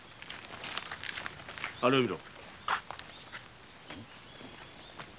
あれを見ろ。